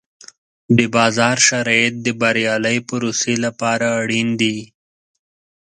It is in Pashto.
د بازار شرایط د بریالۍ پروسې لپاره اړین دي.